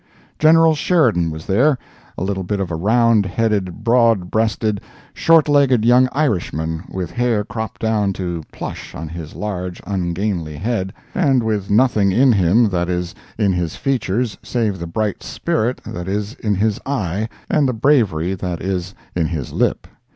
General Sheridan was there—a little bit of a round headed, broad breasted, short legged young Irishman, with hair cropped down to plush on his large, ungainly head, and with nothing in him that is in his features save the bright spirit that is in his eye and the bravery that is in his lip.